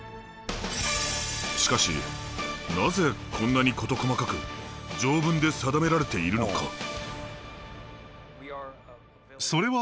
しかしなぜこんなに事細かく条文で定められているのか。